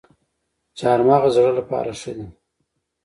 چهارمغز د زړه لپاره ښه دي